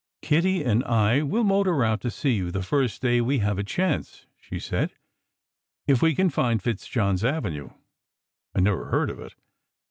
"Kitty and I will motor out to see you the first day we have a chance," she said, "if we can find Fitzjohn s Avenue. I never heard of it.